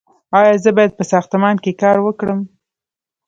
ایا زه باید په ساختمان کې کار وکړم؟